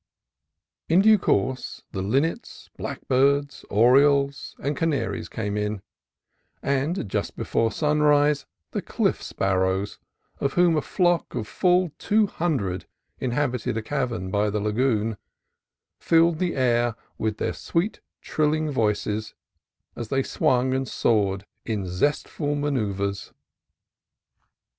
In due course the linnets, black birds, orioles, and canaries came in; and just before sunrise the cliff swallows, of whom a flock of full two hundred inhabited a cavern by the lagoon, filled the air with their sweet trilling voices as they swung and soared in zestful manoeuvres.